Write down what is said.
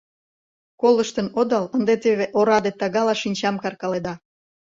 Колыштын одал, ынде теве ораде тагала шинчам каркаледа.